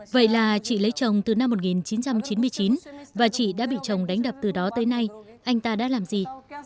vậy là chị lấy chồng từ năm một nghìn chín trăm chín mươi chín và chị đã bị chồng đánh đập từ đó tới nay anh ta đã làm gì